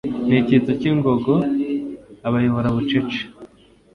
N'icyitso cy'ingogo abayobora bucece